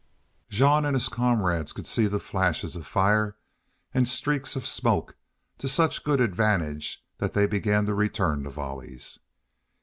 Jean and his comrades could see the flashes of fire and streaks of smoke to such good advantage that they began to return the volleys.